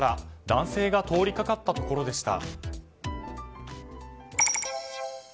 男性が通りかかったところでした。